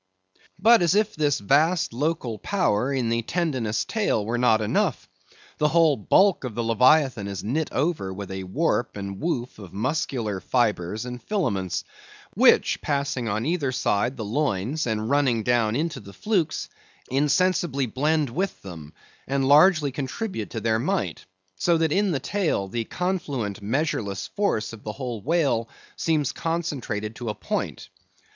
But as if this vast local power in the tendinous tail were not enough, the whole bulk of the leviathan is knit over with a warp and woof of muscular fibres and filaments, which passing on either side the loins and running down into the flukes, insensibly blend with them, and largely contribute to their might; so that in the tail the confluent measureless force of the whole whale seems concentrated to a point.